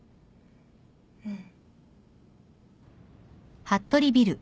うん。